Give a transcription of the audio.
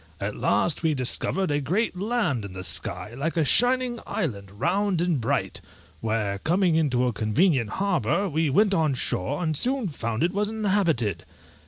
At last we discovered a great land in the sky, like a shining island, round and bright, where, coming into a convenient harbour, we went on shore, and soon found it was inhabited.